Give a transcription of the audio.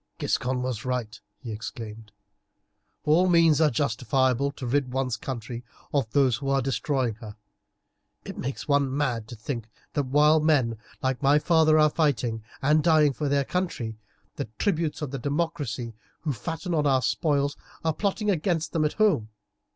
"Giscon was right," he exclaimed. "All means are justifiable to rid one's country of those who are destroying her. It makes one mad to think that while men like my father are fighting and dying for their country, the tribunes of the democracy, who fatten on our spoils, are plotting against them at home.